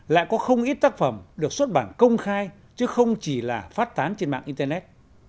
lại có không ít tác phẩm được xuất bản công khai chứ không chỉ là phát tán trên mạng internet